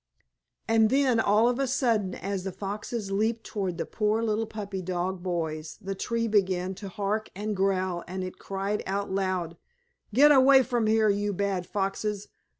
And then, all of a sudden, as the foxes leaped toward the poor little puppy dog boys, that tree began to hark and growl and it cried out loud: "Get away from here, you bad foxes!